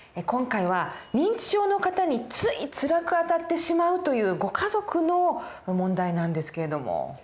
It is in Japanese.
今回は認知症の方についつらくあたってしまうというご家族の問題なんですけれども。